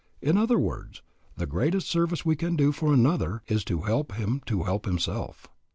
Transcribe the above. In other words, the greatest service we can do for another is to help him to help himself.